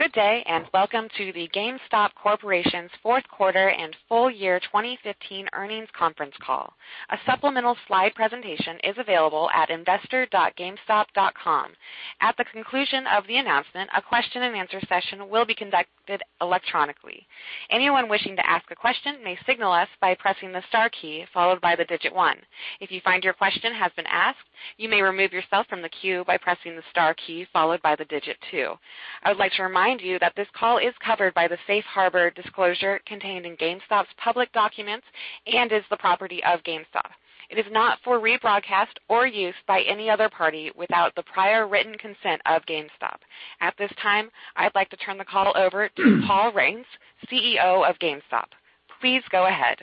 Good day, and welcome to the GameStop Corporation's fourth quarter and full year 2015 earnings conference call. A supplemental slide presentation is available at investor.gamestop.com. At the conclusion of the announcement, a question and answer session will be conducted electronically. Anyone wishing to ask a question may signal us by pressing the star key, followed by the digit one. If you find your question has been asked, you may remove yourself from the queue by pressing the star key followed by the digit one. I would like to remind you that this call is covered by the safe harbor disclosure contained in GameStop's public documents and is the property of GameStop. It is not for rebroadcast or use by any other party without the prior written consent of GameStop. At this time, I'd like to turn the call over to Paul Raines, CEO of GameStop. Please go ahead.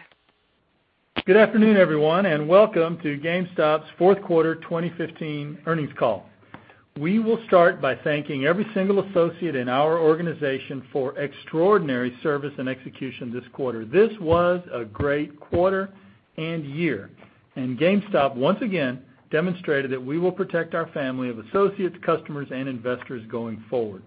Good afternoon, everyone, and welcome to GameStop's fourth quarter 2015 earnings call. We will start by thanking every single associate in our organization for extraordinary service and execution this quarter. This was a great quarter and year, and GameStop, once again, demonstrated that we will protect our family of associates, customers, and investors going forward.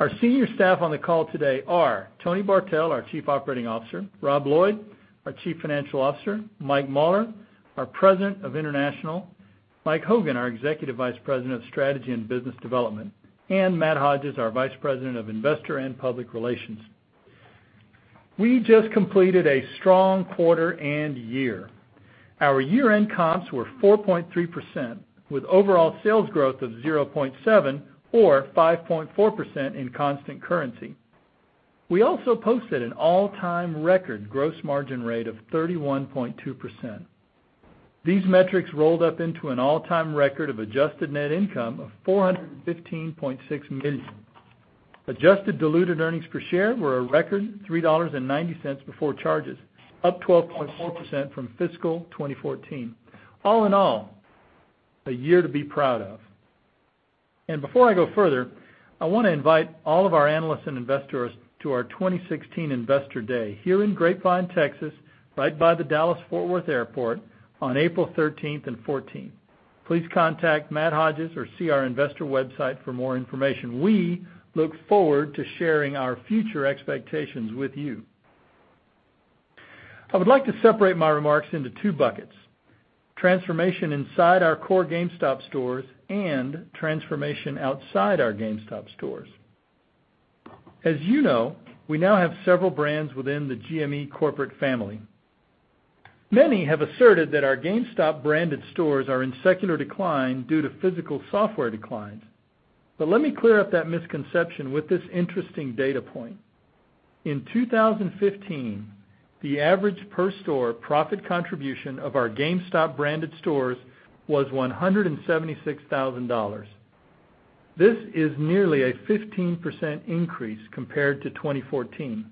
Our senior staff on the call today are Tony Bartel, our Chief Operating Officer, Rob Lloyd, our Chief Financial Officer, Mike Mauler, our President of International, Mike Hogan, our Executive Vice President of Strategy and Business Development, and Matt Hodges, our Vice President of Investor and Public Relations. We just completed a strong quarter and year. Our year-end comps were 4.3%, with overall sales growth of 0.7% or 5.4% in constant currency. We also posted an all-time record gross margin rate of 31.2%. These metrics rolled up into an all-time record of adjusted net income of $415.6 million. Adjusted diluted earnings per share were a record $3.90 before charges, up 12.4% from fiscal 2014. All in all, a year to be proud of. Before I go further, I want to invite all of our analysts and investors to our 2016 Investor Day here in Grapevine, Texas, right by the Dallas Fort Worth Airport on April 13th and 14th. Please contact Matt Hodges or see our investor website for more information. We look forward to sharing our future expectations with you. I would like to separate my remarks into two buckets, transformation inside our core GameStop stores and transformation outside our GameStop stores. As you know, we now have several brands within the GME corporate family. Many have asserted that our GameStop branded stores are in secular decline due to physical software declines. But let me clear up that misconception with this interesting data point. In 2015, the average per store profit contribution of our GameStop branded stores was $176,000. This is nearly a 15% increase compared to 2014.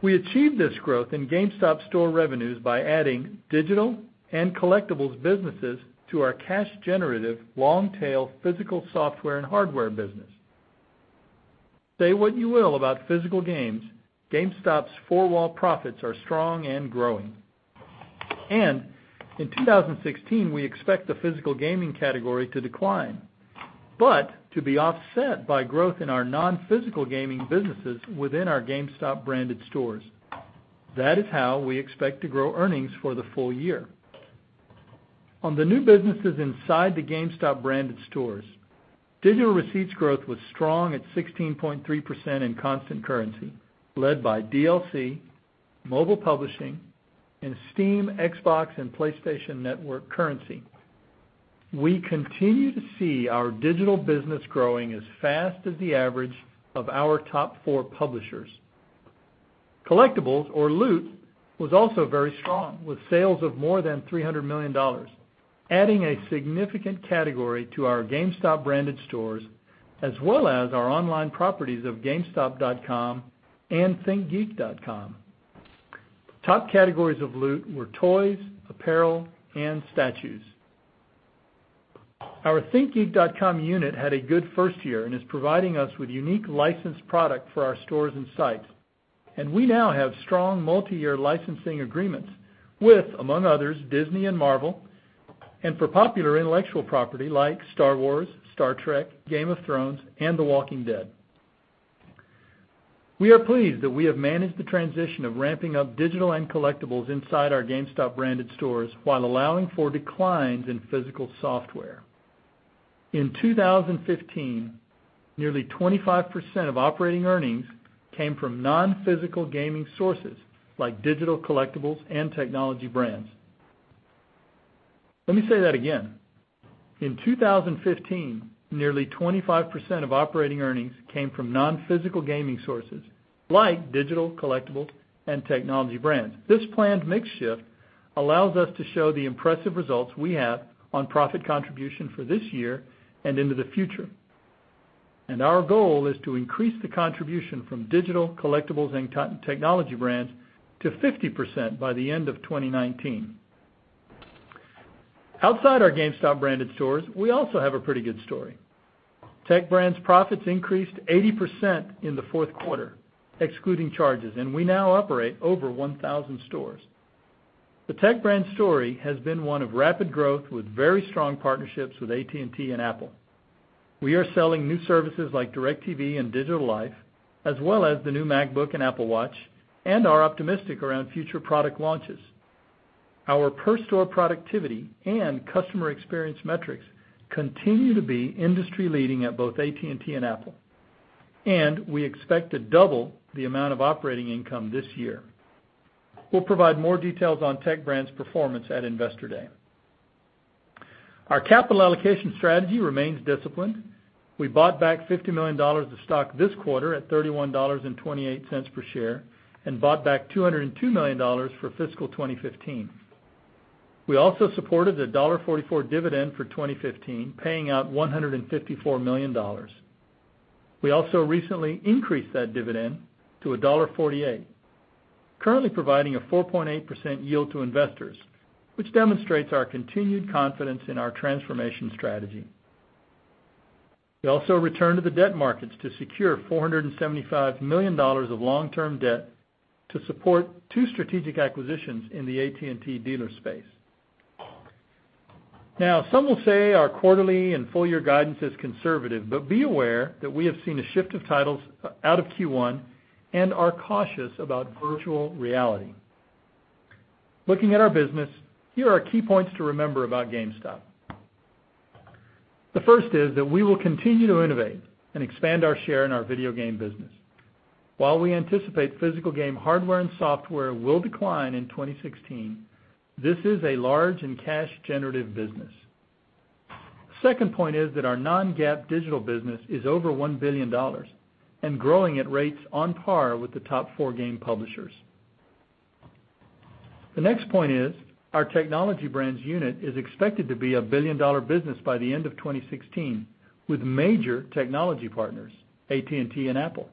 We achieved this growth in GameStop store revenues by adding digital and collectibles businesses to our cash generative long-tail physical software and hardware business. Say what you will about physical games, GameStop's four-wall profits are strong and growing. In 2016, we expect the physical gaming category to decline, but to be offset by growth in our non-physical gaming businesses within our GameStop branded stores. That is how we expect to grow earnings for the full year. On the new businesses inside the GameStop branded stores, digital receipts growth was strong at 16.3% in constant currency, led by DLC, mobile publishing, and Steam, Xbox and PlayStation Network currency. We continue to see our digital business growing as fast as the average of our top four publishers. Collectibles, or Loot, was also very strong, with sales of more than $300 million, adding a significant category to our GameStop branded stores, as well as our online properties of gamestop.com and thinkgeek.com. Top categories of Loot were toys, apparel, and statues. Our thinkgeek.com unit had a good first year and is providing us with unique licensed product for our stores and sites. We now have strong multi-year licensing agreements with, among others, Disney and Marvel, and for popular intellectual property like Star Wars, Star Trek, Game of Thrones, and The Walking Dead. We are pleased that we have managed the transition of ramping up digital and collectibles inside our GameStop branded stores while allowing for declines in physical software. In 2015, nearly 25% of operating earnings came from non-physical gaming sources like digital collectibles and Tech Brands. Let me say that again. In 2015, nearly 25% of operating earnings came from non-physical gaming sources like digital collectibles and Tech Brands. This planned mix shift allows us to show the impressive results we have on profit contribution for this year and into the future. Our goal is to increase the contribution from digital collectibles and Tech Brands to 50% by the end of 2019. Outside our GameStop branded stores, we also have a pretty good story. Tech Brands profits increased 80% in the fourth quarter, excluding charges, and we now operate over 1,000 stores. The Tech Brands story has been one of rapid growth with very strong partnerships with AT&T and Apple. We are selling new services like DIRECTV and Digital Life, as well as the new MacBook and Apple Watch, and are optimistic around future product launches. Our per store productivity and customer experience metrics continue to be industry leading at both AT&T and Apple, and we expect to double the amount of operating income this year. We'll provide more details on Tech Brands' performance at Investor Day. Our capital allocation strategy remains disciplined. We bought back $50 million of stock this quarter at $31.28 per share and bought back $202 million for fiscal 2015. We also supported the $1.44 dividend for 2015, paying out $154 million. We also recently increased that dividend to $1.48, currently providing a 4.8% yield to investors, which demonstrates our continued confidence in our transformation strategy. We also returned to the debt markets to secure $475 million of long-term debt to support two strategic acquisitions in the AT&T dealer space. Now, some will say our quarterly and full year guidance is conservative, but be aware that we have seen a shift of titles out of Q1 and are cautious about virtual reality. Looking at our business, here are key points to remember about GameStop. The first is that we will continue to innovate and expand our share in our video game business. While we anticipate physical game hardware and software will decline in 2016, this is a large and cash-generative business. Second point is that our non-GAAP digital business is over $1 billion and growing at rates on par with the top four game publishers. The next point is our Tech Brands unit is expected to be a billion-dollar business by the end of 2016 with major technology partners, AT&T and Apple,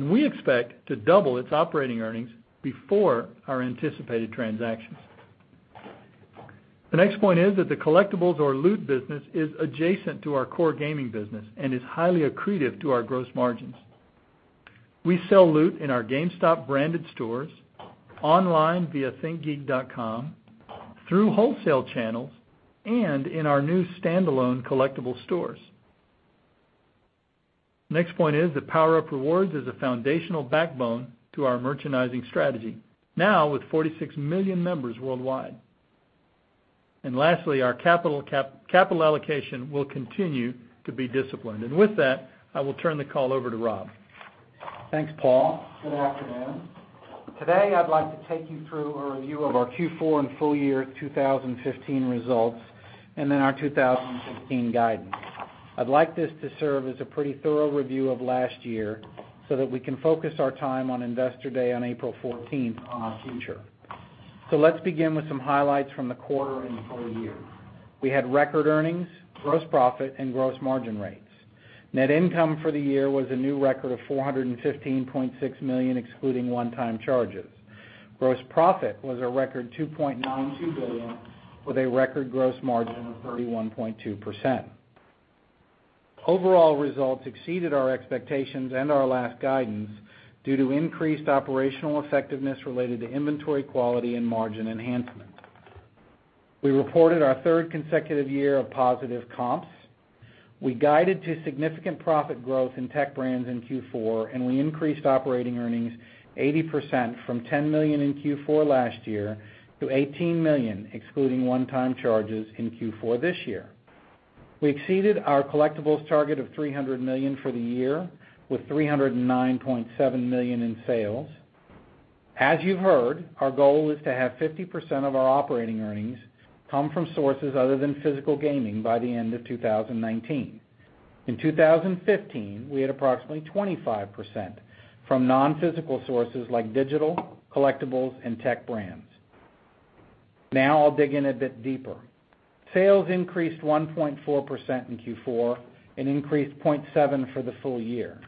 we expect to double its operating earnings before our anticipated transactions. The next point is that the collectibles or Loot business is adjacent to our core gaming business and is highly accretive to our gross margins. We sell Loot in our GameStop branded stores, online via thinkgeek.com, through wholesale channels, and in our new standalone collectible stores. Next point is that PowerUp Rewards is a foundational backbone to our merchandising strategy, now with 46 million members worldwide. Lastly, our capital allocation will continue to be disciplined. With that, I will turn the call over to Rob. Thanks, Paul. Good afternoon. Today, I'd like to take you through a review of our Q4 and full year 2015 results and then our 2015 guidance. I'd like this to serve as a pretty thorough review of last year so that we can focus our time on Investor Day on April 14th on our future. Let's begin with some highlights from the quarter and full year. We had record earnings, gross profit, and gross margin rates. Net income for the year was a new record of $415.6 million excluding one-time charges. Gross profit was a record $2.92 billion with a record gross margin of 31.2%. Overall results exceeded our expectations and our last guidance due to increased operational effectiveness related to inventory quality and margin enhancement. We reported our third consecutive year of positive comps. We guided to significant profit growth in Tech Brands in Q4, we increased operating earnings 80% from $10 million in Q4 last year to $18 million excluding one-time charges in Q4 this year. We exceeded our collectibles target of $300 million for the year with $309.7 million in sales. As you've heard, our goal is to have 50% of our operating earnings come from sources other than physical gaming by the end of 2019. In 2015, we had approximately 25% from non-physical sources like digital, collectibles, and Tech Brands. I'll dig in a bit deeper. Sales increased 1.4% in Q4 and increased 0.7% for the full year.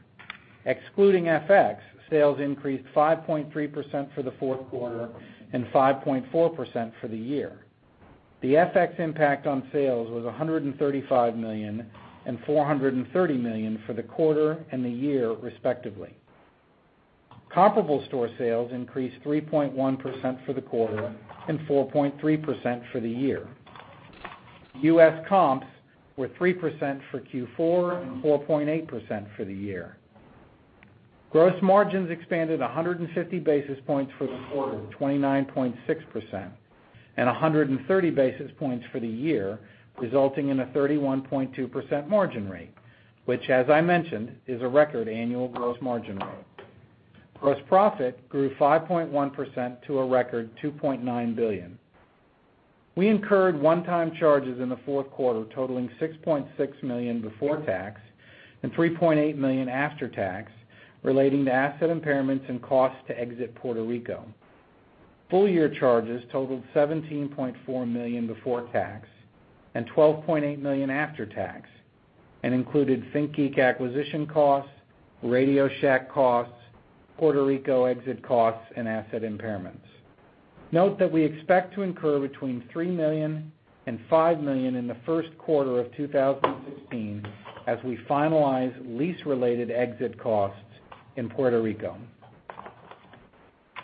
Excluding FX, sales increased 5.3% for the fourth quarter and 5.4% for the year. The FX impact on sales was $135 million and $430 million for the quarter and the year respectively. Comparable store sales increased 3.1% for the quarter and 4.3% for the year. U.S. comps were 3% for Q4 and 4.8% for the year. Gross margins expanded 150 basis points for the quarter, 29.6%, and 130 basis points for the year, resulting in a 31.2% margin rate, which as I mentioned, is a record annual gross margin rate. Gross profit grew 5.1% to a record $2.9 billion. We incurred one-time charges in the fourth quarter totaling $6.6 million before tax and $3.8 million after tax relating to asset impairments and costs to exit Puerto Rico. Full year charges totaled $17.4 million before tax and $12.8 million after tax and included ThinkGeek acquisition costs, RadioShack costs, Puerto Rico exit costs, and asset impairments. Note that we expect to incur between $3 million and $5 million in the first quarter of 2016 as we finalize lease-related exit costs in Puerto Rico.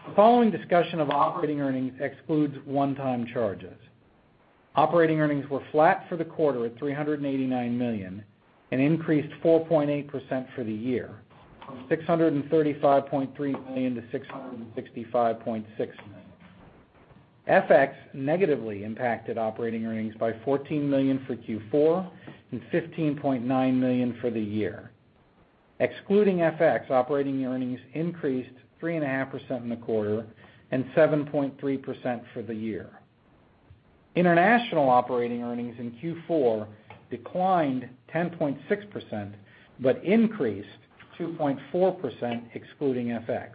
The following discussion of operating earnings excludes one-time charges. Operating earnings were flat for the quarter at $389 million and increased 4.8% for the year, from $635.3 million to $665.6 million. FX negatively impacted operating earnings by $14 million for Q4 and $15.9 million for the year. Excluding FX, operating earnings increased 3.5% in the quarter and 7.3% for the year. International operating earnings in Q4 declined 10.6% but increased 2.4% excluding FX.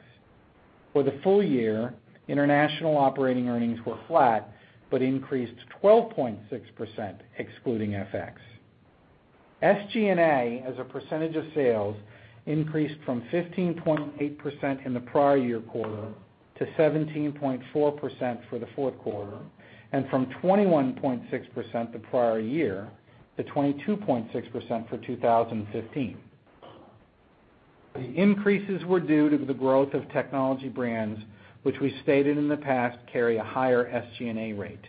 For the full year, international operating earnings were flat but increased 12.6% excluding FX. SG&A, as a percentage of sales, increased from 15.8% in the prior year quarter to 17.4% for the fourth quarter, and from 21.6% the prior year to 22.6% for 2015. The increases were due to the growth of Tech Brands, which we stated in the past carry a higher SG&A rate.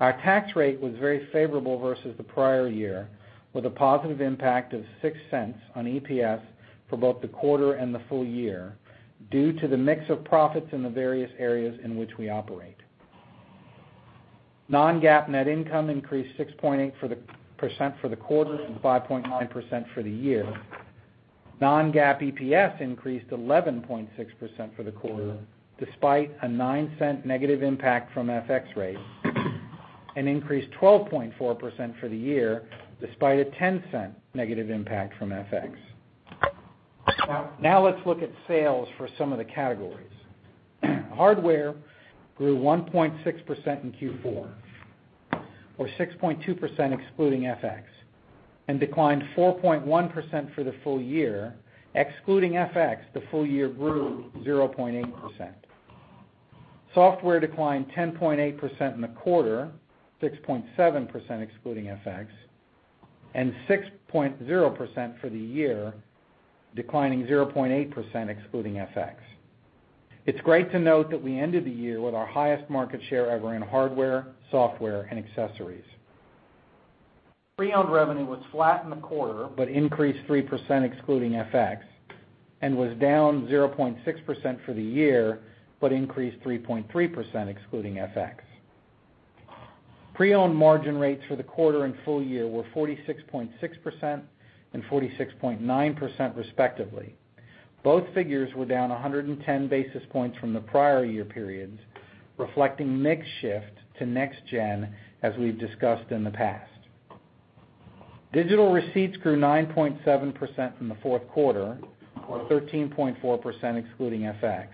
Our tax rate was very favorable versus the prior year, with a positive impact of $0.06 on EPS for both the quarter and the full year due to the mix of profits in the various areas in which we operate. non-GAAP net income increased 6.8% for the quarter and 5.9% for the year. non-GAAP EPS increased 11.6% for the quarter, despite a $0.09 negative impact from FX rates, and increased 12.4% for the year, despite a $0.10 negative impact from FX. Let's look at sales for some of the categories. Hardware grew 1.6% in Q4 or 6.2% excluding FX, and declined 4.1% for the full year. Excluding FX, the full year grew 0.8%. Software declined 10.8% in the quarter, 6.7% excluding FX, and 6.0% for the year, declining 0.8% excluding FX. It's great to note that we ended the year with our highest market share ever in hardware, software, and accessories. Pre-owned revenue was flat in the quarter but increased 3% excluding FX, and was down 0.6% for the year, but increased 3.3% excluding FX. Pre-owned margin rates for the quarter and full year were 46.6% and 46.9% respectively. Both figures were down 110 basis points from the prior year periods, reflecting mix shift to next gen, as we've discussed in the past. Digital receipts grew 9.7% in the fourth quarter or 13.4% excluding FX,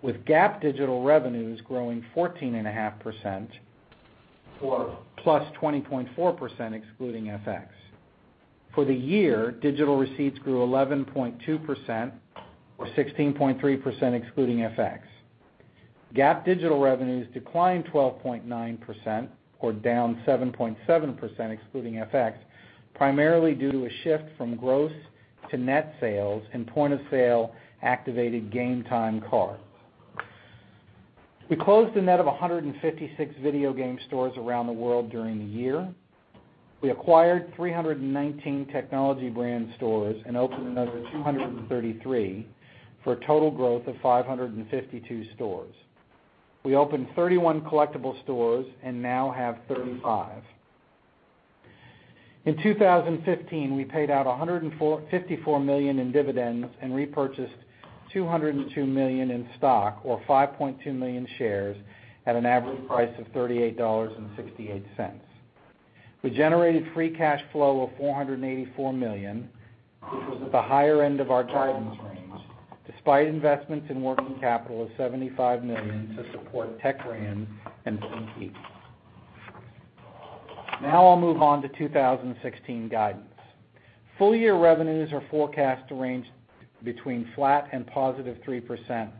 with GAAP digital revenues growing 14.5% or +20.4% excluding FX. For the year, digital receipts grew 11.2% or 16.3% excluding FX. GAAP digital revenues declined 12.9% or down 7.7% excluding FX, primarily due to a shift from gross to net sales in point-of-sale-activated Game Time cards. We closed a net of 156 video game stores around the world during the year. We acquired 319 Technology Brand stores and opened another 233, for a total growth of 552 stores. We opened 31 collectibles stores and now have 35. In 2015, we paid out $154 million in dividends and repurchased $202 million in stock, or 5.2 million shares, at an average price of $38.68. We generated free cash flow of $484 million, which was at the higher end of our guidance range, despite investments in working capital of $75 million to support Tech Brands and ThinkGeek. I'll move on to 2016 guidance. Full-year revenues are forecast to range between flat and positive 3%,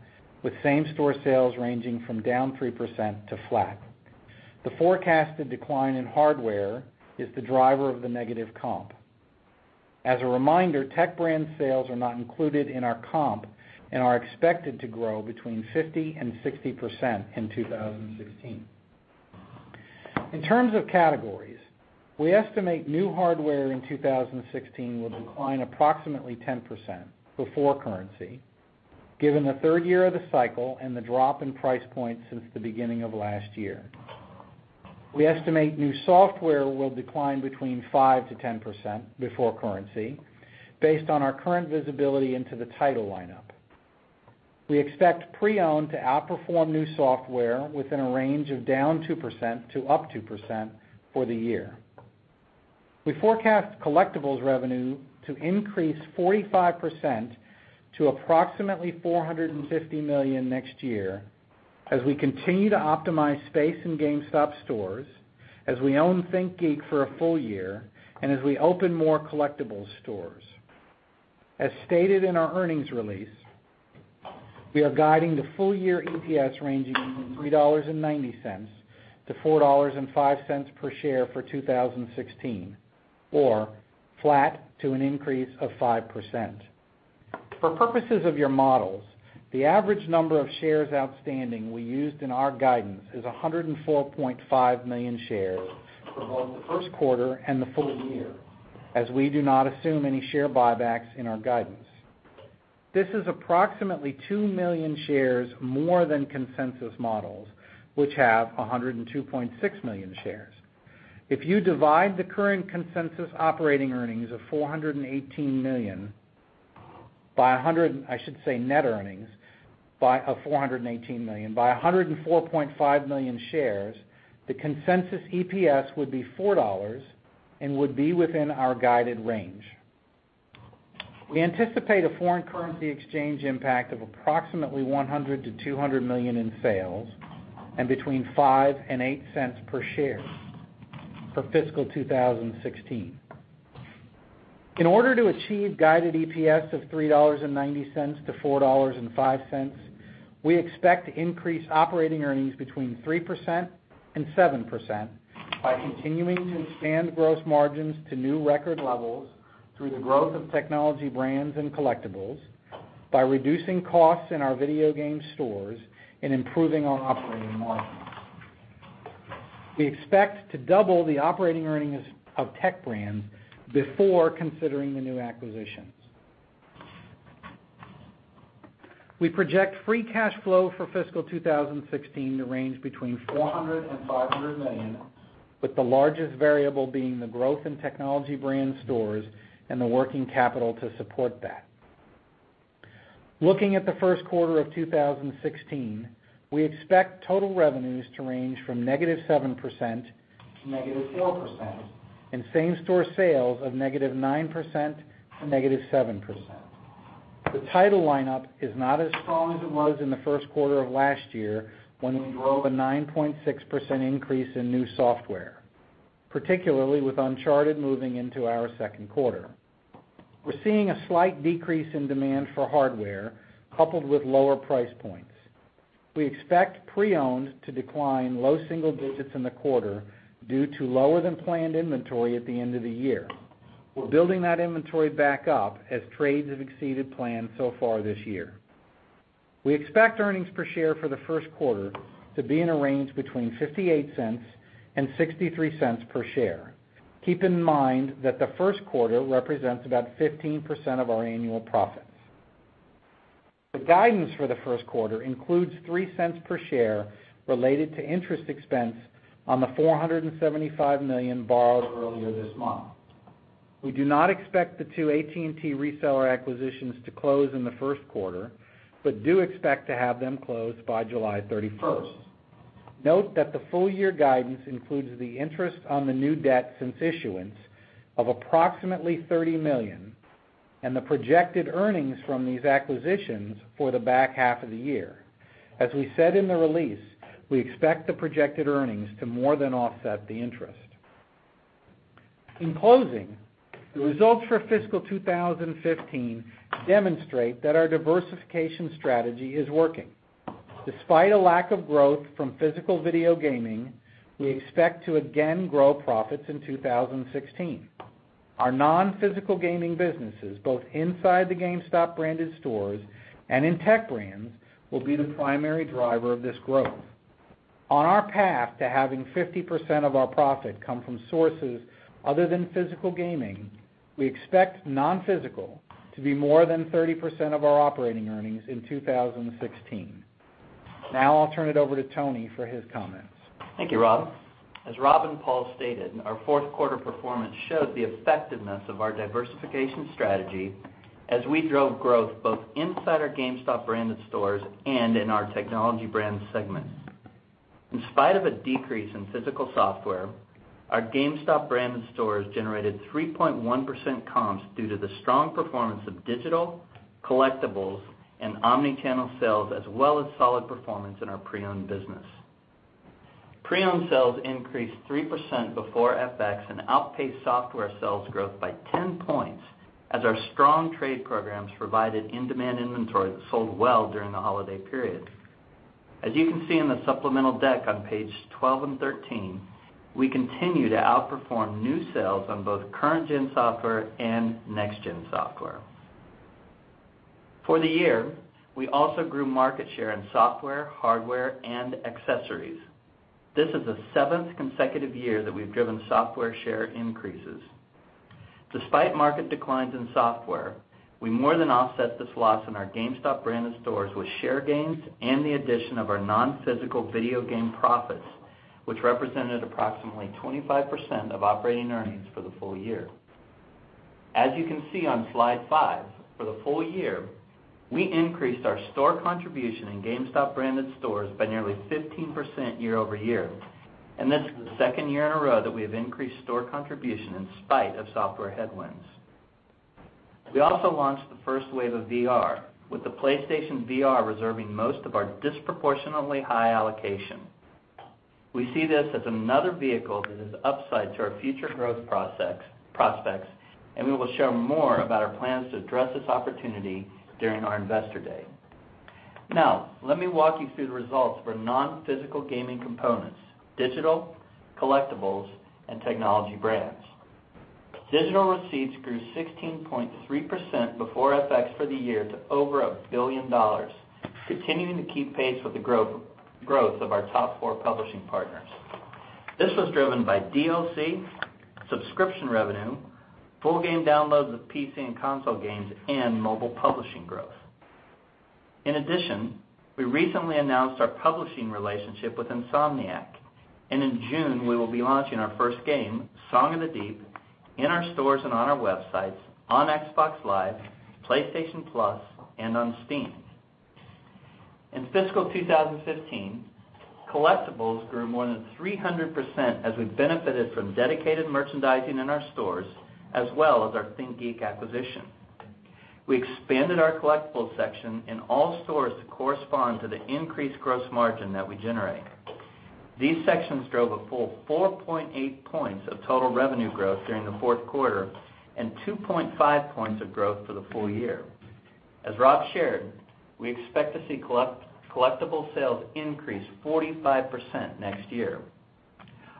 with same-store sales ranging from down 3% to flat. The forecasted decline in hardware is the driver of the negative comp. As a reminder, Tech Brands sales are not included in our comp and are expected to grow between 50%-60% in 2016. In terms of categories, we estimate new hardware in 2016 will decline approximately 10%, before currency, given the third year of the cycle and the drop in price points since the beginning of last year. We estimate new software will decline between 5%-10%, before currency, based on our current visibility into the title lineup. We expect pre-owned to outperform new software within a range of -2% to +2% for the year. We forecast collectibles revenue to increase 45% to approximately $450 million next year as we continue to optimize space in GameStop stores, as we own ThinkGeek for a full year, and as we open more collectibles stores. As stated in our earnings release. We are guiding the full-year EPS ranging from $3.90-$4.05 per share for 2016, or flat to an increase of 5%. For purposes of your models, the average number of shares outstanding we used in our guidance is 104.5 million shares for both the first quarter and the full year, as we do not assume any share buybacks in our guidance. This is approximately 2 million shares more than consensus models, which have 102.6 million shares. If you divide the current consensus operating earnings of $418 million by 100. I should say net earnings of $418 million, by 104.5 million shares, the consensus EPS would be $4 and would be within our guided range. We anticipate a foreign currency exchange impact of approximately $100 million-$200 million in sales and between $0.05 and $0.08 per share for fiscal 2016. In order to achieve guided EPS of $3.90-$4.05, we expect to increase operating earnings between 3% and 7% by continuing to expand gross margins to new record levels through the growth of Tech Brands and collectibles, by reducing costs in our video game stores, and improving our operating margins. We expect to double the operating earnings of Tech Brands before considering the new acquisitions. We project free cash flow for fiscal 2016 to range between $400 million and $500 million, with the largest variable being the growth in Tech Brands stores and the working capital to support that. Looking at the first quarter of 2016, we expect total revenues to range from -7% to -4%, and same-store sales of -9% to -7%. The title lineup is not as strong as it was in the first quarter of last year when we drove a 9.6% increase in new software, particularly with Uncharted moving into our second quarter. We're seeing a slight decrease in demand for hardware, coupled with lower price points. We expect pre-owned to decline low single digits in the quarter due to lower-than-planned inventory at the end of the year. We're building that inventory back up as trades have exceeded plan so far this year. We expect earnings per share for the first quarter to be in a range between $0.58 and $0.63 per share. Keep in mind that the first quarter represents about 15% of our annual profits. The guidance for the first quarter includes $0.03 per share related to interest expense on the $475 million borrowed earlier this month. We do not expect the two AT&T reseller acquisitions to close in the first quarter, but do expect to have them closed by July 31st. Note that the full-year guidance includes the interest on the new debt since issuance of approximately $30 million and the projected earnings from these acquisitions for the back half of the year. As we said in the release, we expect the projected earnings to more than offset the interest. In closing, the results for fiscal 2015 demonstrate that our diversification strategy is working. Despite a lack of growth from physical video gaming, we expect to again grow profits in 2016. Our non-physical gaming businesses, both inside the GameStop branded stores and in Tech Brands, will be the primary driver of this growth. On our path to having 50% of our profit come from sources other than physical gaming, we expect non-physical to be more than 30% of our operating earnings in 2016. Now I'll turn it over to Tony for his comments. Thank you, Rob. As Rob and Paul stated, our fourth quarter performance showed the effectiveness of our diversification strategy as we drove growth both inside our GameStop branded stores and in our technology brand segments. In spite of a decrease in physical software, our GameStop branded stores generated 3.1% comps due to the strong performance of digital, collectibles, and omni-channel sales, as well as solid performance in our pre-owned business. Pre-owned sales increased 3% before FX and outpaced software sales growth by 10 points as our strong trade programs provided in-demand inventory that sold well during the holiday period. As you can see in the supplemental deck on page 12 and 13, we continue to outperform new sales on both current gen software and next gen software. For the year, we also grew market share in software, hardware, and accessories. This is the seventh consecutive year that we've driven software share increases. Despite market declines in software, we more than offset this loss in our GameStop branded stores with share gains and the addition of our non-physical video game profits, which represented approximately 25% of operating earnings for the full year. As you can see on slide five, for the full year, we increased our store contribution in GameStop branded stores by nearly 15% year-over-year, and this is the second year in a row that we have increased store contribution in spite of software headwinds. We also launched the first wave of VR, with the PlayStation VR reserving most of our disproportionately high allocation. We see this as another vehicle that is upside to our future growth prospects, and we will share more about our plans to address this opportunity during our Investor Day. Let me walk you through the results for non-physical gaming components, digital, collectibles, and Tech Brands. Digital receipts grew 16.3% before FX for the year to over $1 billion, continuing to keep pace with the growth of our top four publishing partners. This was driven by DLC, subscription revenue, full game downloads of PC and console games, and mobile publishing growth. In addition, we recently announced our publishing relationship with Insomniac, and in June, we will be launching our first game, "Song of the Deep," in our stores and on our websites, on Xbox Live, PlayStation Plus, and on Steam. In fiscal 2015, collectibles grew more than 300% as we benefited from dedicated merchandising in our stores as well as our ThinkGeek acquisition. We expanded our collectibles section in all stores to correspond to the increased gross margin that we generate. These sections drove a full 4.8 points of total revenue growth during the fourth quarter and 2.5 points of growth for the full year. As Rob shared, we expect to see collectible sales increase 45% next year.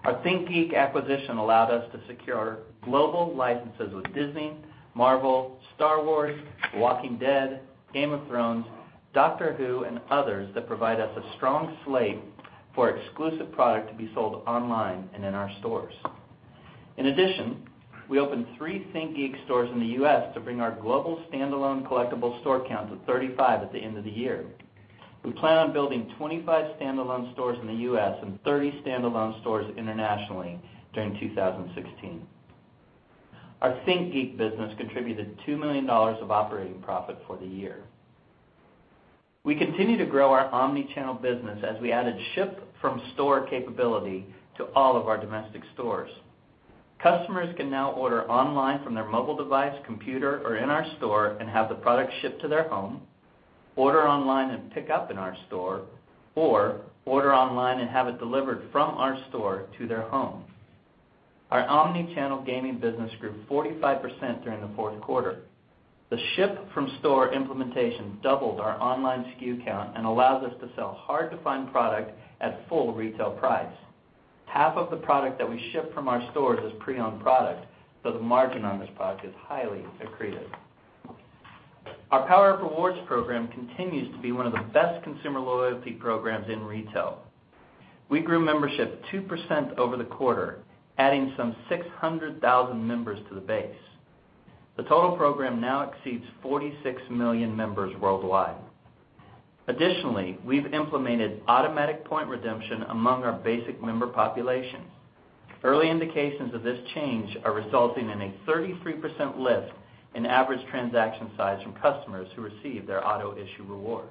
Our ThinkGeek acquisition allowed us to secure global licenses with Disney, Marvel, Star Wars, "The Walking Dead," "Game of Thrones," "Doctor Who," and others that provide us a strong slate for exclusive product to be sold online and in our stores. In addition, we opened three ThinkGeek stores in the U.S. to bring our global standalone collectible store count to 35 at the end of the year. We plan on building 25 standalone stores in the U.S. and 30 standalone stores internationally during 2016. Our ThinkGeek business contributed $2 million of operating profit for the year. We continue to grow our omni-channel business as we added ship-from-store capability to all of our domestic stores. Customers can now order online from their mobile device, computer, or in our store and have the product shipped to their home, order online and pick up in our store, or order online and have it delivered from our store to their home. Our omni-channel gaming business grew 45% during the fourth quarter. The ship-from-store implementation doubled our online SKU count and allows us to sell hard-to-find product at full retail price. Half of the product that we ship from our stores is pre-owned product, so the margin on this product is highly accretive. Our PowerUp Rewards program continues to be one of the best consumer loyalty programs in retail. We grew membership 2% over the quarter, adding some 600,000 members to the base. The total program now exceeds 46 million members worldwide. Additionally, we've implemented automatic point redemption among our basic member populations. Early indications of this change are resulting in a 33% lift in average transaction size from customers who receive their auto-issue reward.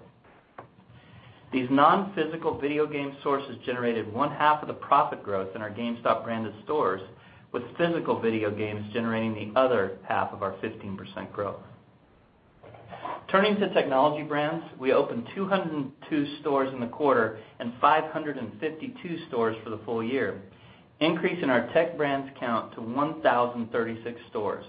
These non-physical video game sources generated one-half of the profit growth in our GameStop-branded stores, with physical video games generating the other half of our 15% growth. Turning to Tech Brands, we opened 202 stores in the quarter and 552 stores for the full year, increasing our Tech Brands count to 1,036 stores.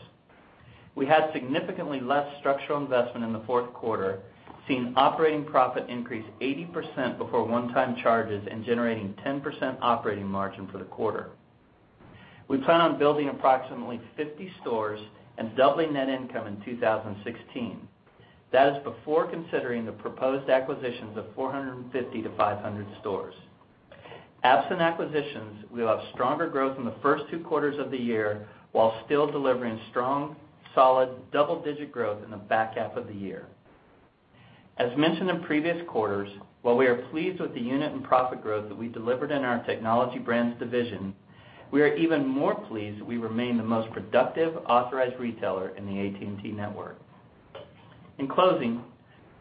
We had significantly less structural investment in the fourth quarter, seeing operating profit increase 80% before one-time charges and generating 10% operating margin for the quarter. We plan on building approximately 50 stores and doubling net income in 2016. That is before considering the proposed acquisitions of 450 to 500 stores. Absent acquisitions, we'll have stronger growth in the first two quarters of the year while still delivering strong, solid, double-digit growth in the back half of the year. As mentioned in previous quarters, while we are pleased with the unit and profit growth that we delivered in our Tech Brands division, we are even more pleased that we remain the most productive authorized retailer in the AT&T network. In closing,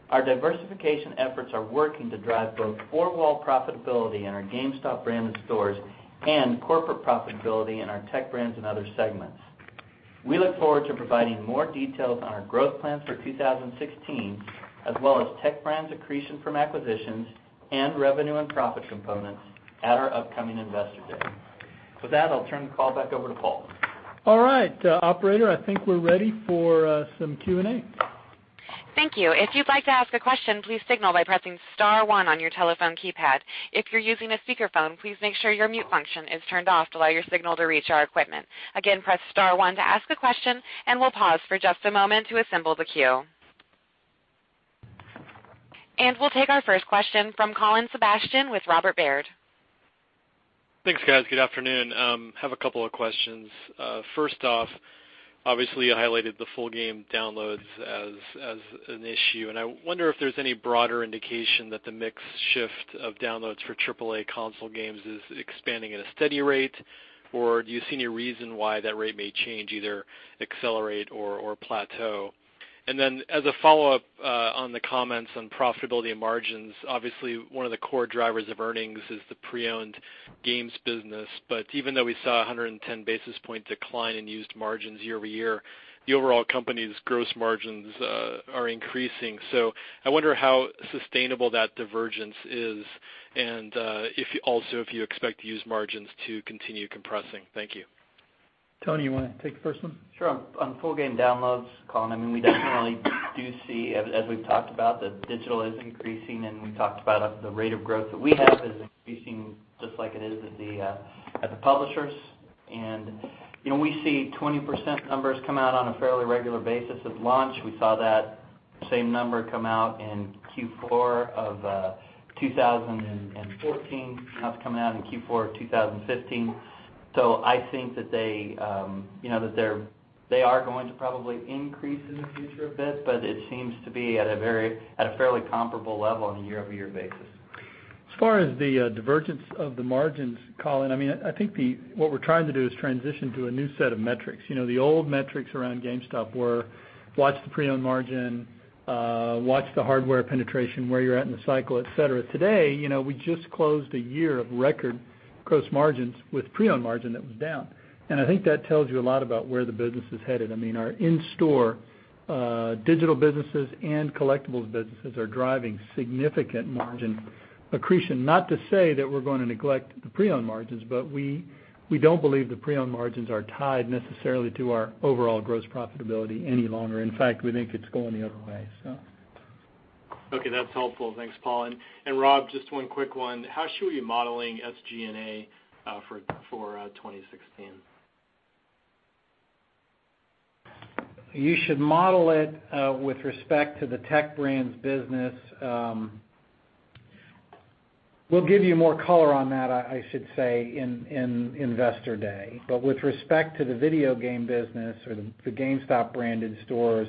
our diversification efforts are working to drive both four-wall profitability in our GameStop branded stores and corporate profitability in our Tech Brands and other segments. We look forward to providing more details on our growth plans for 2016, as well as Tech Brands accretion from acquisitions and revenue and profit components at our upcoming Investor Day. With that, I'll turn the call back over to Paul. All right, operator, I think we're ready for some Q&A. Thank you. If you'd like to ask a question, please signal by pressing *1 on your telephone keypad. If you're using a speakerphone, please make sure your mute function is turned off to allow your signal to reach our equipment. Again, press *1 to ask a question, we'll pause for just a moment to assemble the queue. We'll take our first question from Colin Sebastian with Robert Baird. Thanks, guys. Good afternoon. Have a couple of questions. First off, obviously, you highlighted the full game downloads as an issue, I wonder if there's any broader indication that the mix shift of downloads for AAA console games is expanding at a steady rate, or do you see any reason why that rate may change, either accelerate or plateau? Then as a follow-up on the comments on profitability and margins, obviously, one of the core drivers of earnings is the pre-owned games business. But even though we saw a 110 basis point decline in used margins year-over-year, the overall company's gross margins are increasing. I wonder how sustainable that divergence is and also if you expect used margins to continue compressing. Thank you. Tony, you want to take the first one? Sure. On full game downloads, Colin, we definitely do see, as we've talked about, that digital is increasing, and we talked about the rate of growth that we have is increasing just like it is at the publishers. We see 20% numbers come out on a fairly regular basis at launch. We saw that same number come out in Q4 2014, coming out in Q4 2015. I think that they are going to probably increase in the future a bit, but it seems to be at a fairly comparable level on a year-over-year basis. As far as the divergence of the margins, Colin, I think what we're trying to do is transition to a new set of metrics. The old metrics around GameStop were watch the pre-owned margin, watch the hardware penetration, where you're at in the cycle, et cetera. Today, we just closed a year of record gross margins with pre-owned margin that was down. I think that tells you a lot about where the business is headed. Our in-store digital businesses and collectibles businesses are driving significant margin accretion. Not to say that we're going to neglect the pre-owned margins, but we don't believe the pre-owned margins are tied necessarily to our overall gross profitability any longer. In fact, we think it's going the other way. Okay, that's helpful. Thanks, Paul. Rob, just one quick one. How should we be modeling SG&A for 2016? You should model it with respect to the Tech Brands business. We'll give you more color on that, I should say, in Investor Day. With respect to the video game business or the GameStop branded stores,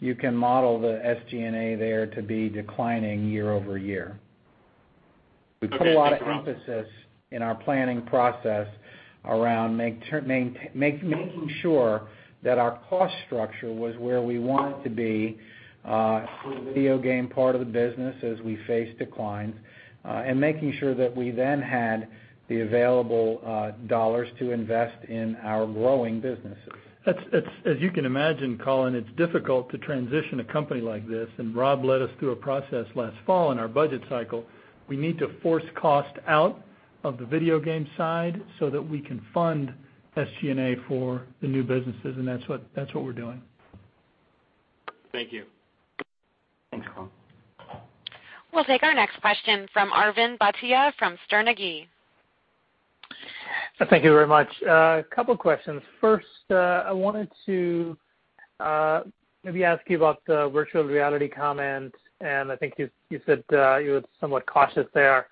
you can model the SG&A there to be declining year-over-year. Okay. Thanks, Rob. We put a lot of emphasis in our planning process around making sure that our cost structure was where we want it to be for the video game part of the business as we face declines, and making sure that we then had the available dollars to invest in our growing businesses. As you can imagine, Colin, it's difficult to transition a company like this, Rob led us through a process last fall in our budget cycle. We need to force cost out of the video game side so that we can fund SG&A for the new businesses, that's what we're doing. Thank you. Thanks, Colin. We'll take our next question from Arvind Bhatia from Sterne Agee. Thank you very much. A couple questions. First, I wanted to maybe ask you about the virtual reality comment, and I think you said you were somewhat cautious there.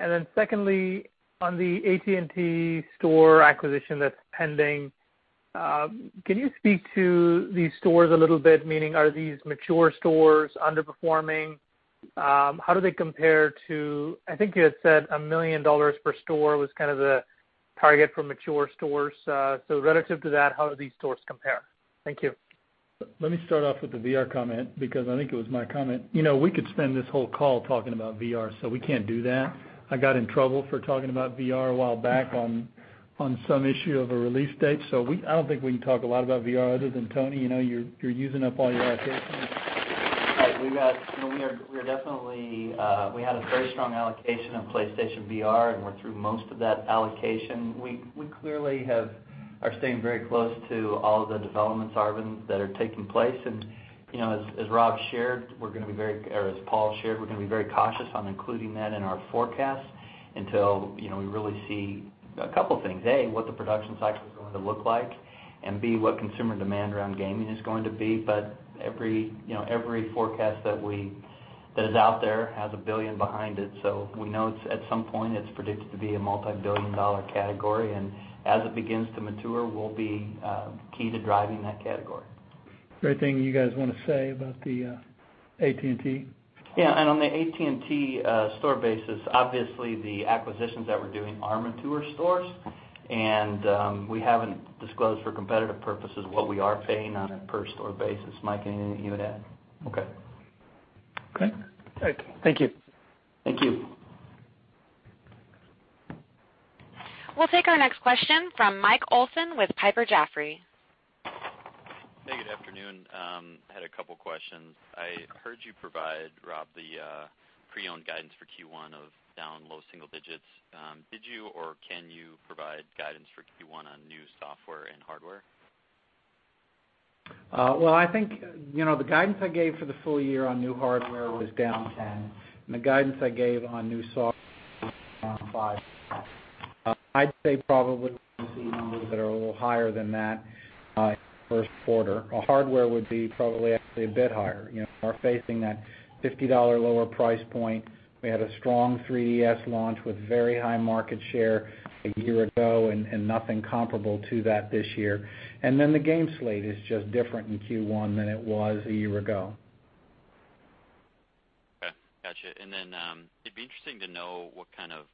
Then secondly, on the AT&T store acquisition that's pending, can you speak to these stores a little bit? Meaning, are these mature stores, underperforming? How do they compare to-- I think you had said $1 million per store was the target for mature stores. Relative to that, how do these stores compare? Thank you. Let me start off with the VR comment, because I think it was my comment. We could spend this whole call talking about VR, we can't do that. I got in trouble for talking about VR a while back on some issue of a release date. I don't think we can talk a lot about VR other than, Tony, you're using up all your allocations. Right. We had a very strong allocation of PlayStation VR, and we're through most of that allocation. We clearly are staying very close to all the developments, Arvind, that are taking place. As Paul shared, we're going to be very cautious on including that in our forecast until we really see a couple of things. A, what the production cycle is going to look like, and B, what consumer demand around gaming is going to be. Every forecast that is out there has $1 billion behind it. We know at some point it's predicted to be a multibillion-dollar category, and as it begins to mature, we'll be key to driving that category. Anything you guys want to say about the AT&T? Yeah. On the AT&T store basis, obviously the acquisitions that we're doing are mature stores, and we haven't disclosed for competitive purposes what we are paying on a per store basis. Mike, anything you would add? Okay. Okay. All right. Thank you. Thank you. We'll take our next question from Michael Olson with Piper Jaffray. Hey, good afternoon. I had a couple questions. I heard you provide, Rob, the pre-owned guidance for Q1 of down low single digits. Did you, or can you provide guidance for Q1 on new software and hardware? Well, I think, the guidance I gave for the full year on new hardware was down 10%, the guidance I gave on new software was down 5%. I'd say probably we'll see numbers that are a little higher than that in the first quarter. Hardware would be probably actually a bit higher. We are facing that $50 lower price point. We had a strong 3DS launch with very high market share a year ago and nothing comparable to that this year. The game slate is just different in Q1 than it was a year ago. Okay. Got you. It'd be interesting to know what kind of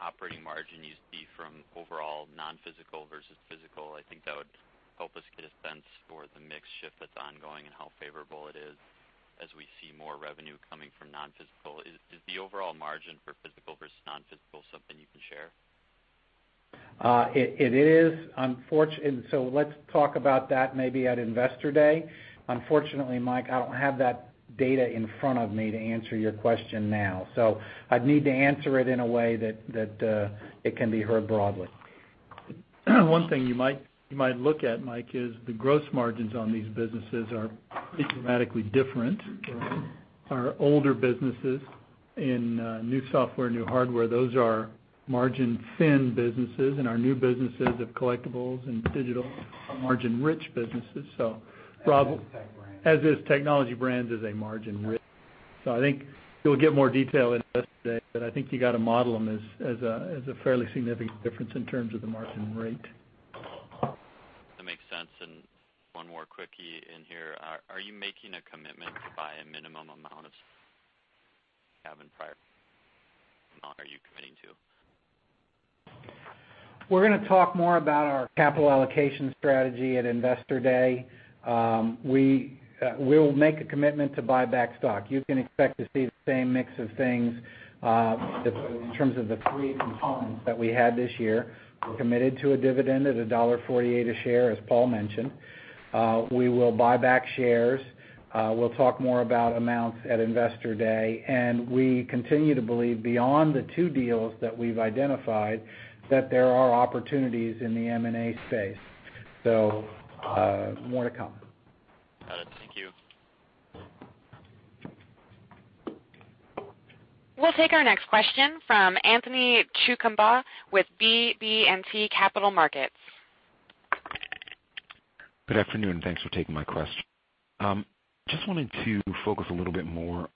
operating margin you see from overall non-physical versus physical. I think that would help us get a sense for the mix shift that's ongoing and how favorable it is as we see more revenue coming from non-physical. Is the overall margin for physical versus non-physical something you can share? It is. Let's talk about that maybe at Investor Day. Unfortunately, Mike, I don't have that data in front of me to answer your question now. I'd need to answer it in a way that it can be heard broadly. One thing you might look at, Mike, is the gross margins on these businesses are pretty dramatically different. Our older businesses in new software, new hardware, those are margin-thin businesses, and our new businesses of collectibles and digital are margin-rich businesses. As is Technology Brands. Technology Brands is a margin-rich. I think you'll get more detail at Investor Day, but I think you got to model them as a fairly significant difference in terms of the margin rate. That makes sense. One more quickie in here. Are you making a commitment to buy a minimum amount of [inaudible] you have in prior? Are you committing to? We're going to talk more about our capital allocation strategy at Investor Day. We will make a commitment to buy back stock. You can expect to see the same mix of things, in terms of the three components that we had this year. We're committed to a dividend at $1.48 a share, as Paul mentioned. We will buy back shares. We'll talk more about amounts at Investor Day, and we continue to believe beyond the two deals that we've identified, that there are opportunities in the M&A space. More to come. Got it. Thank you. We'll take our next question from Anthony Chukumba with BB&T Capital Markets. Good afternoon. Thanks for taking my question. Just wanted to focus a little bit more,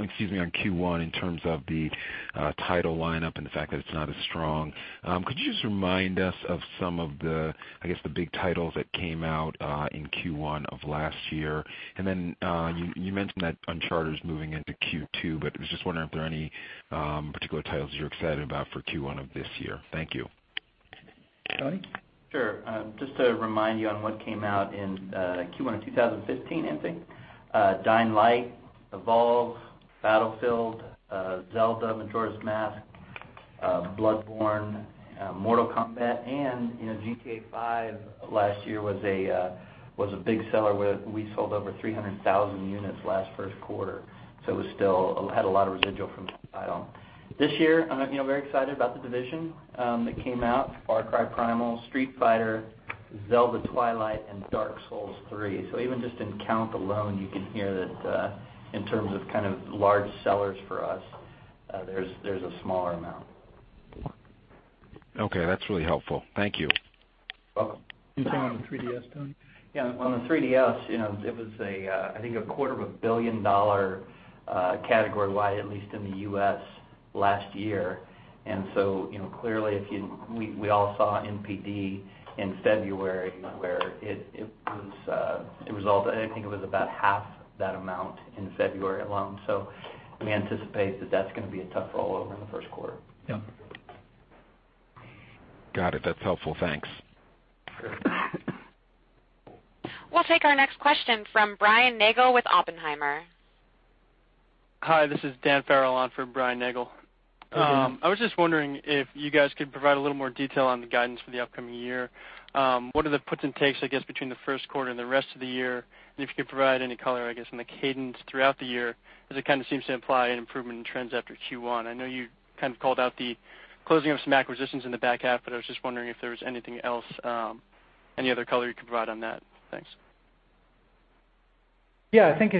excuse me, on Q1 in terms of the title lineup and the fact that it's not as strong. Could you just remind us of some of the, I guess, the big titles that came out in Q1 of last year? You mentioned that Uncharted's moving into Q2, but I was just wondering if there are any particular titles you're excited about for Q1 of this year. Thank you. Tony? Sure. Just to remind you on what came out in Q1 of 2015, Anthony. Dying Light, Evolve, Battlefield, Zelda: Majora's Mask, Bloodborne, Mortal Kombat, and GTA V last year was a big seller. We sold over 300,000 units last first quarter. It still had a lot of residual from that title. This year, I'm very excited about The Division that came out, Far Cry Primal, Street Fighter, Zelda Twilight, and Dark Souls III. Even just in count alone, you can hear that, in terms of large sellers for us, there's a smaller amount. Okay. That's really helpful. Thank you. You're welcome. Same thing on the 3DS, Tony? On the 3DS, it was, I think, a quarter of a billion-dollar category wide, at least in the U.S. last year. Clearly, we all saw NPD in February where it was all, I think it was about half that amount in February alone. We anticipate that that's going to be a tough rollover in the first quarter. Yeah. Got it. That's helpful. Thanks. Sure. We'll take our next question from Brian Nagel with Oppenheimer. Hi, this is Dan Farrell on for Brian Nagel. I was just wondering if you guys could provide a little more detail on the guidance for the upcoming year. What are the puts and takes, I guess, between the first quarter and the rest of the year? If you could provide any color, I guess, on the cadence throughout the year, as it kind of seems to imply an improvement in trends after Q1. I know you kind of called out the closing of some acquisitions in the back half, but I was just wondering if there was anything else, any other color you could provide on that. Thanks. Yeah, I think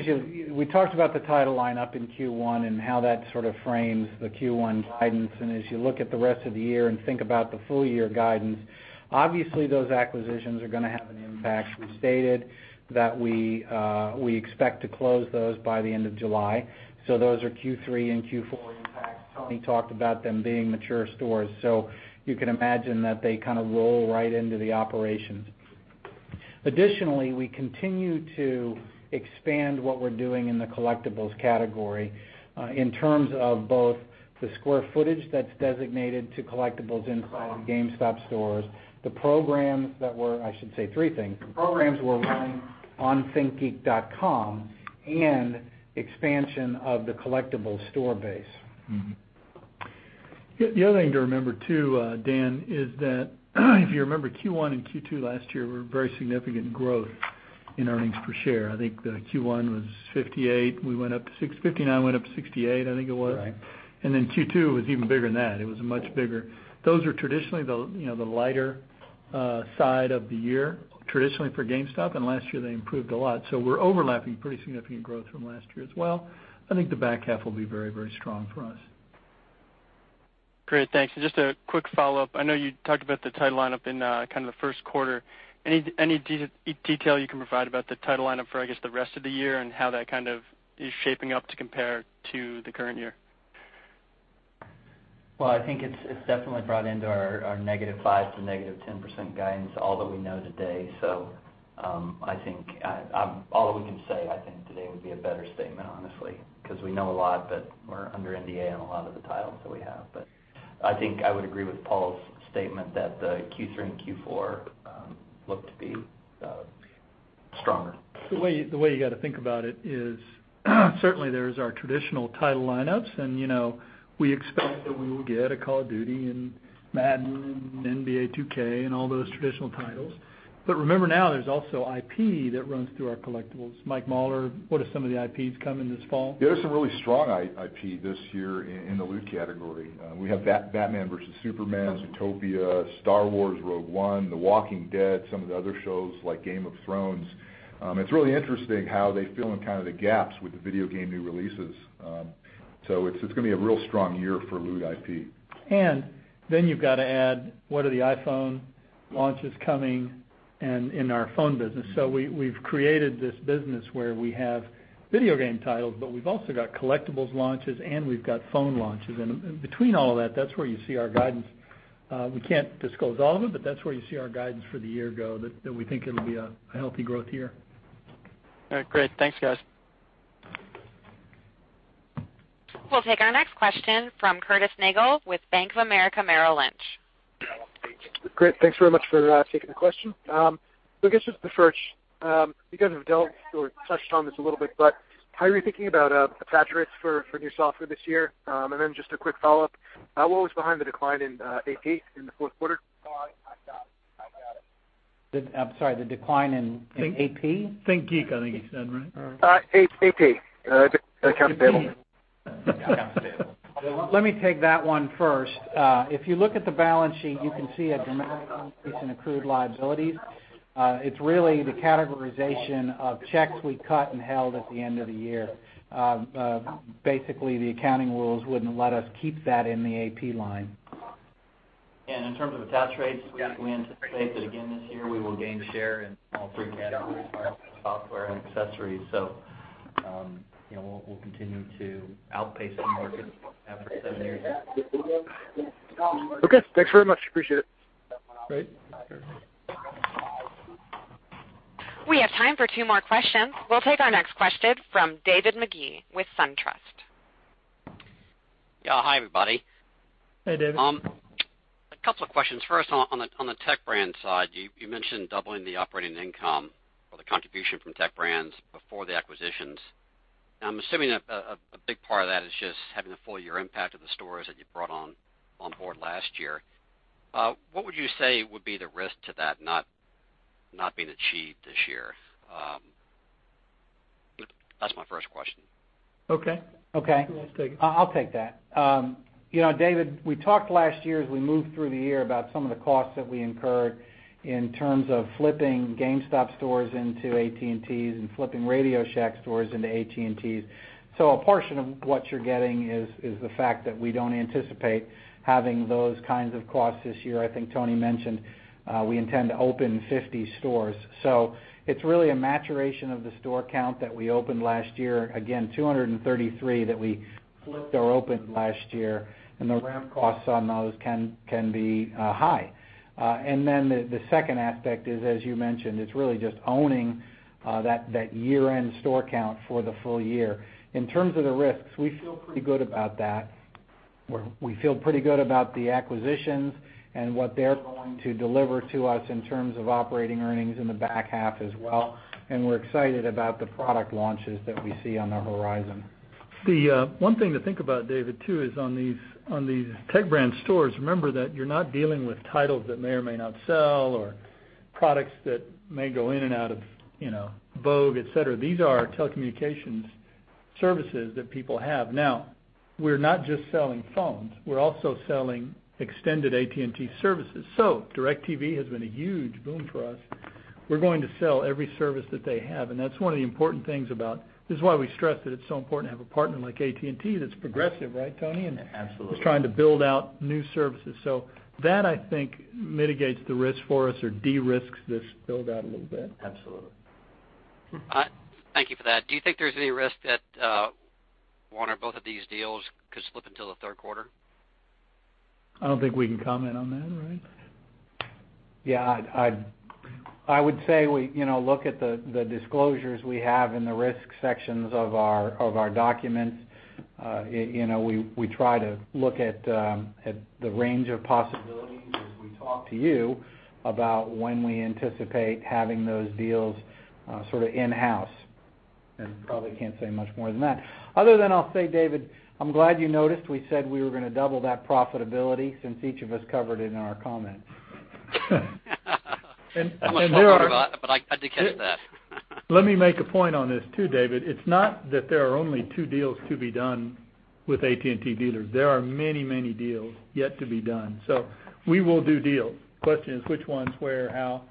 we talked about the title lineup in Q1 and how that sort of frames the Q1 guidance. As you look at the rest of the year and think about the full-year guidance, obviously those acquisitions are going to have an impact. We stated that we expect to close those by the end of July. Those are Q3 and Q4 impacts. Tony talked about them being mature stores. You can imagine that they kind of roll right into the operations. Additionally, we continue to expand what we're doing in the Collectibles category, in terms of both the square footage that's designated to Collectibles inside GameStop stores, the programs that we're—I should say three things. The programs we're running on thinkgeek.com and expansion of the Collectibles store base. Mm-hmm. The other thing to remember too, Dan, is that if you remember Q1 and Q2 last year were very significant growth in earnings per share. I think Q1 was $0.58. $0.59, went up to $0.68, I think it was. Right. Q2 was even bigger than that. It was much bigger. Those are traditionally the lighter side of the year, traditionally for GameStop, and last year they improved a lot. We're overlapping pretty significant growth from last year as well. I think the back half will be very strong for us. Great. Thanks. Just a quick follow-up. I know you talked about the title lineup in the first quarter. Any detail you can provide about the title lineup for, I guess, the rest of the year and how that is shaping up to compare to the current year? I think it's definitely brought into our -5% to -10% guidance, all that we know today. I think all that we can say, I think today would be a better statement, honestly, because we know a lot, but we're under NDA on a lot of the titles that we have. I think I would agree with Paul's statement that the Q3 and Q4 look to be. Stronger. The way you got to think about it is certainly there is our traditional title lineups, and we expect that we will get a Call of Duty and Madden, NBA 2K, and all those traditional titles. Remember now, there's also IP that runs through our collectibles. Mike Mauler, what are some of the IPs coming this fall? There's some really strong IP this year in the Loot category. We have Batman versus Superman, Zootopia, Star Wars Rogue One, The Walking Dead, some of the other shows like Game of Thrones. It's really interesting how they fill in the gaps with the video game new releases. It's going to be a real strong year for Loot IP. You've got to add what are the iPhone launches coming in our phone business. We've created this business where we have video game titles, but we've also got collectibles launches, and we've got phone launches. Between all of that's where you see our guidance. We can't disclose all of it, but that's where you see our guidance for the year go, that we think it'll be a healthy growth year. All right, great. Thanks, guys. We'll take our next question from Curtis Nagle with Bank of America Merrill Lynch. Great. Thanks very much for taking the question. I guess just the first, you guys have dealt or touched on this a little bit, but how are you thinking about attach rates for new software this year? Then just a quick follow-up, what was behind the decline in AP in the fourth quarter? I'm sorry, the decline in AP? ThinkGeek, I think he said, right? AP. Accounts payable. Accounts payable. Let me take that one first. If you look at the balance sheet, you can see a dramatic increase in accrued liabilities. It's really the categorization of checks we cut and held at the end of the year. Basically, the accounting rules wouldn't let us keep that in the AP line. In terms of attach rates, we anticipate that again this year we will gain share in all three categories, software and accessories. We'll continue to outpace the market after seven years. Okay, thanks very much. Appreciate it. Great. We have time for two more questions. We'll take our next question from David Magee with SunTrust. Yeah. Hi, everybody. Hey, David. A couple of questions. First, on the Tech Brands side, you mentioned doubling the operating income or the contribution from Tech Brands before the acquisitions. I'm assuming a big part of that is just having the full year impact of the stores that you brought on board last year. What would you say would be the risk to that not being achieved this year? That's my first question. Okay. Okay. Who wants to take it? I'll take that. David, we talked last year as we moved through the year about some of the costs that we incurred in terms of flipping GameStop stores into AT&Ts and flipping RadioShack stores into AT&Ts. A portion of what you're getting is the fact that we don't anticipate having those kinds of costs this year. I think Tony mentioned, we intend to open 50 stores. It's really a maturation of the store count that we opened last year. Again, 233 that we flipped or opened last year, and the ramp costs on those can be high. The second aspect is, as you mentioned, it's really just owning that year-end store count for the full year. In terms of the risks, we feel pretty good about that, where we feel pretty good about the acquisitions and what they're going to deliver to us in terms of operating earnings in the back half as well, we're excited about the product launches that we see on the horizon. The one thing to think about, David, too, is on these Tech Brands stores, remember that you're not dealing with titles that may or may not sell or products that may go in and out of vogue, et cetera. These are telecommunications services that people have. Now, we're not just selling phones, we're also selling extended AT&T services. DIRECTV has been a huge boom for us. We're going to sell every service that they have, and that's one of the important things about. This is why we stress that it's so important to have a partner like AT&T that's progressive, right, Tony? Absolutely. AT&T is trying to build out new services. That, I think, mitigates the risk for us or de-risks this build-out a little bit. Absolutely. Thank you for that. Do you think there's any risk that one or both of these deals could slip until the third quarter? I don't think we can comment on that, right? Yeah. I would say, look at the disclosures we have in the risk sections of our documents. We try to look at the range of possibilities as we talk to you about when we anticipate having those deals sort of in-house, and probably can't say much more than that. Other than I'll say, David Magee, I'm glad you noticed we said we were going to double that profitability since each of us covered it in our comments. I'm a slow learner, I did catch that. Let me make a point on this, too, David Magee. It's not that there are only two deals to be done with AT&T dealers. There are many, many deals yet to be done. We will do deals. Question is which ones, where, how.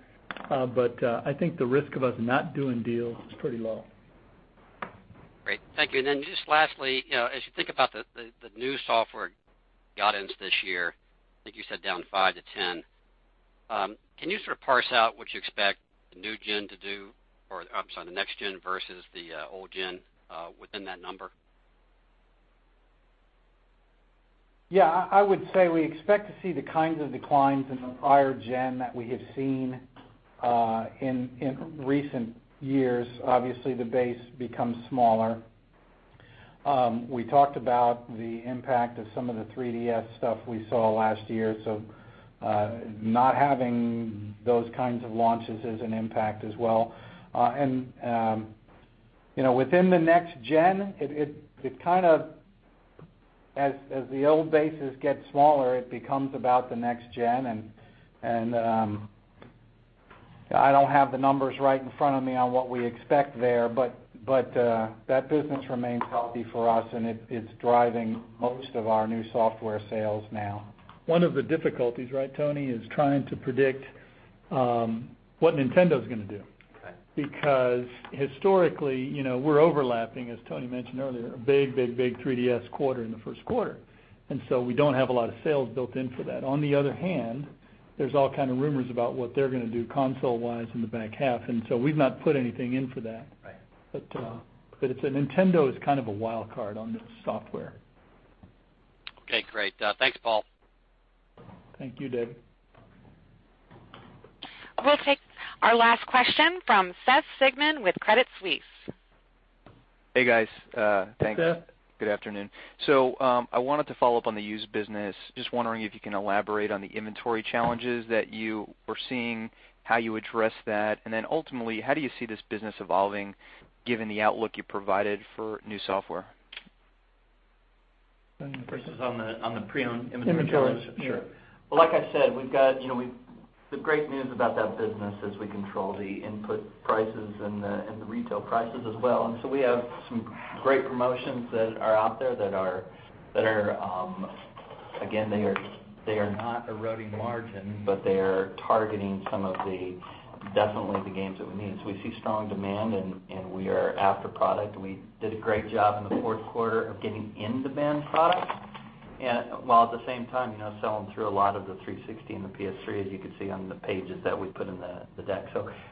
I think the risk of us not doing deals is pretty low. Great. Thank you. Then just lastly, as you think about the new software guidance this year, I think you said down 5-10, can you sort of parse out what you expect the next gen versus the old gen within that number? Yeah. I would say we expect to see the kinds of declines in the prior gen that we have seen in recent years. Obviously, the base becomes smaller. We talked about the impact of some of the 3DS stuff we saw last year. Not having those kinds of launches is an impact as well. Within the next gen, as the old bases get smaller, it becomes about the next gen, and I don't have the numbers right in front of me on what we expect there, but that business remains healthy for us, and it is driving most of our new software sales now. One of the difficulties, right, Tony, is trying to predict what Nintendo's going to do. Right. Historically, we're overlapping, as Tony mentioned earlier, a big 3DS quarter in the first quarter, and so we don't have a lot of sales built in for that. On the other hand, there's all kind of rumors about what they're going to do console-wise in the back half, and so we've not put anything in for that. Right. Nintendo is kind of a wild card on new software. Okay, great. Thanks, Paul. Thank you, David. We'll take our last question from Seth Sigman with Credit Suisse. Hey, guys. Hey, Seth. Thanks. Good afternoon. I wanted to follow up on the used business. Just wondering if you can elaborate on the inventory challenges that you were seeing, how you address that. Ultimately, how do you see this business evolving given the outlook you provided for new software? Tony, first. This is on the pre-owned inventory challenge? Inventory, yeah. Sure. Well, like I said, the great news about that business is we control the input prices and the retail prices as well. We have some great promotions that are out there that are, again, they are not eroding margin, but they are targeting definitely the games that we need. We see strong demand, and we are after product. We did a great job in the fourth quarter of getting in-demand product, and while at the same time, selling through a lot of the Xbox 360 and the PS3, as you can see on the pages that we put in the deck.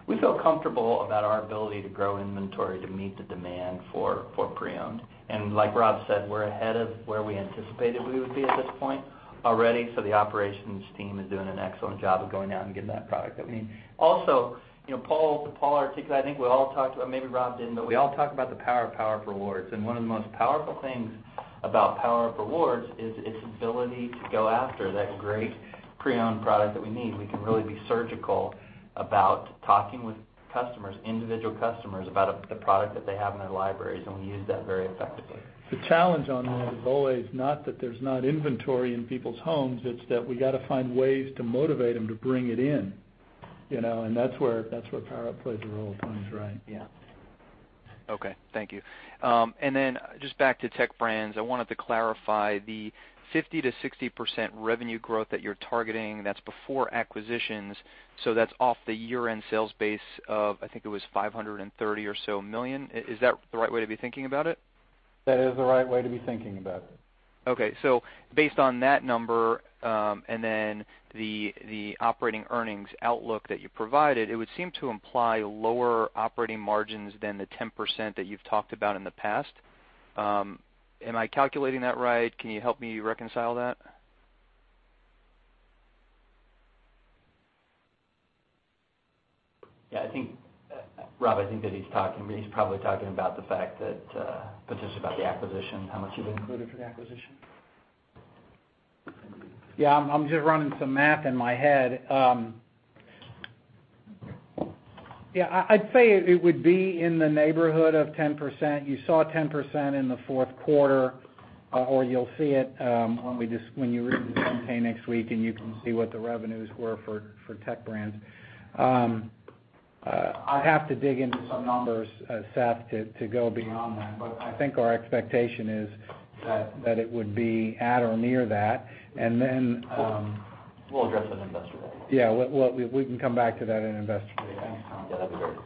We feel comfortable about our ability to grow inventory to meet the demand for pre-owned. Like Rob said, we're ahead of where we anticipated we would be at this point already, the operations team is doing an excellent job of going out and getting that product that we need. Paul, I think we all talked about, maybe Rob didn't, but we all talked about the power of PowerUp Rewards, and one of the most powerful things about PowerUp Rewards is its ability to go after that great pre-owned product that we need. We can really be surgical about talking with customers, individual customers, about a product that they have in their libraries, and we use that very effectively. The challenge on that is always not that there's not inventory in people's homes, it's that we got to find ways to motivate them to bring it in. That's where PowerUp plays a role, Tony's right. Yeah. Okay, thank you. Just back to Tech Brands, I wanted to clarify the 50%-60% revenue growth that you're targeting, that's before acquisitions, that's off the year-end sales base of, I think it was $530 million. Is that the right way to be thinking about it? That is the right way to be thinking about it. Okay. Based on that number, and then the operating earnings outlook that you provided, it would seem to imply lower operating margins than the 10% that you've talked about in the past. Am I calculating that right? Can you help me reconcile that? Yeah, Rob, I think that he's probably talking about the fact that, potentially about the acquisition, how much you've included for the acquisition. Yeah, I'm just running some math in my head. Yeah, I'd say it would be in the neighborhood of 10%. You saw 10% in the fourth quarter, or you'll see it when you read the 10-K next week, and you can see what the revenues were for Tech Brands. I'd have to dig into some numbers, Seth, to go beyond that. I think our expectation is that it would be at or near that. We'll address that in Investor Day. Yeah. We can come back to that in Investor Day. Yeah, that'd be great.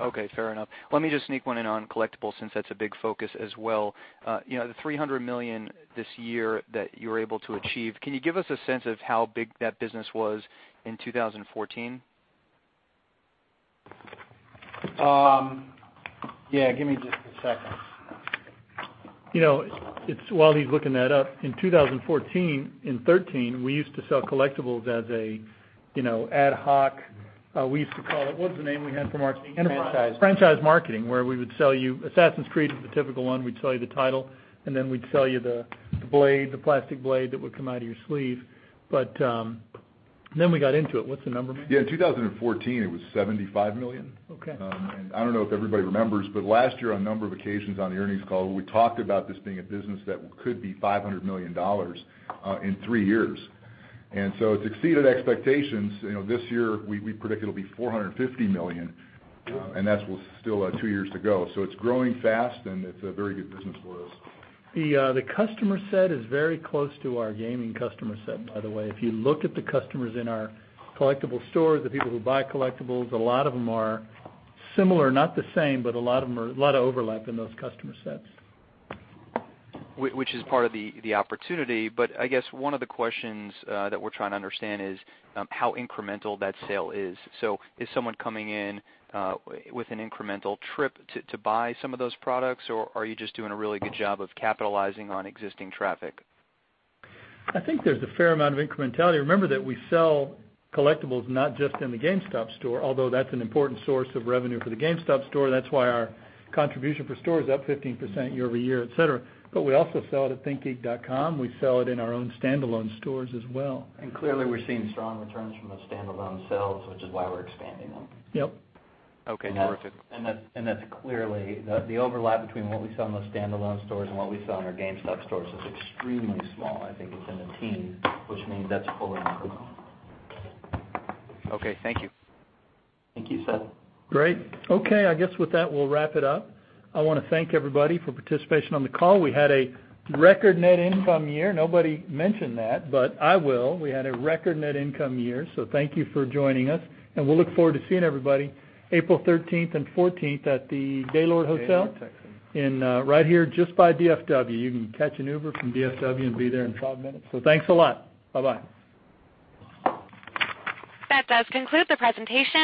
Okay, fair enough. Let me just sneak one in on Collectibles, since that's a big focus as well. The $300 million this year that you were able to achieve, can you give us a sense of how big that business was in 2014? Yeah, give me just a second. While he's looking that up, in 2014, in 2013, we used to sell Collectibles as an ad hoc. We used to call it, what was the name we had for marketing? Franchise. Franchise marketing, where we would sell you, Assassin's Creed is the typical one. We'd sell you the title, then we'd sell you the blade, the plastic blade that would come out of your sleeve. Then we got into it. What's the number, man? Yeah, in 2014, it was $75 million. Okay. I don't know if everybody remembers, but last year on a number of occasions on the earnings call, we talked about this being a business that could be $500 million in three years. It's exceeded expectations. This year, we predict it'll be $450 million, and that's with still two years to go. It's growing fast, and it's a very good business for us. The customer set is very close to our gaming customer set, by the way. If you look at the customers in our Collectibles stores, the people who buy Collectibles, a lot of them are similar, not the same, but a lot of overlap in those customer sets. Which is part of the opportunity. I guess one of the questions that we're trying to understand is how incremental that sale is. Is someone coming in with an incremental trip to buy some of those products, or are you just doing a really good job of capitalizing on existing traffic? I think there's a fair amount of incrementality. Remember that we sell Collectibles not just in the GameStop store, although that's an important source of revenue for the GameStop store. That's why our contribution for store is up 15% year-over-year, et cetera. We also sell it at thinkgeek.com. We sell it in our own standalone stores as well. Clearly, we're seeing strong returns from those standalone sales, which is why we're expanding them. Yep. Okay, terrific. That's clearly, the overlap between what we sell in those standalone stores and what we sell in our GameStop stores is extremely small. I think it's in the teens, which means that's fully incremental. Okay, thank you. Thank you, Seth. Great. Okay, I guess with that, we'll wrap it up. I want to thank everybody for participation on the call. We had a record net income year. Nobody mentioned that, but I will. We had a record net income year, so thank you for joining us, and we'll look forward to seeing everybody April 13th and 14th at the Gaylord Texan. Gaylord Texan. Right here just by D.F.W. You can catch an Uber from D.F.W. and be there in 12 minutes. Thanks a lot. Bye-bye. That does conclude the presentation.